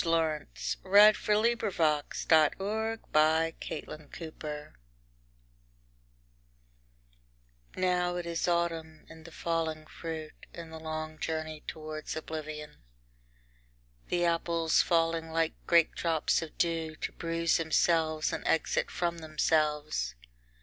Lawrence > The Ship of Death D.H. Lawrence The Ship of Death I Now it is autumn and the falling fruit and the long journey towards oblivion. The apples falling like great drops of dew to bruise themselves an exit from themselves.